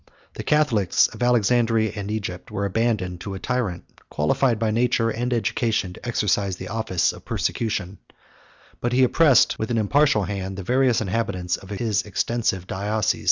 The Catholics of Alexandria and Egypt were abandoned to a tyrant, qualified, by nature and education, to exercise the office of persecution; but he oppressed with an impartial hand the various inhabitants of his extensive diocese.